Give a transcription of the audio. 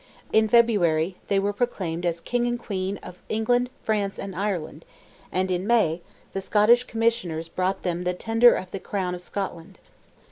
In February, they were proclaimed as king and queen of "England, France, and Ireland," and in May, the Scottish commissioners brought them the tender of the crown of Scotland.